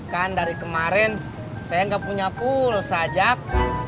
kan dari kemarin saya nggak punya pulsa jak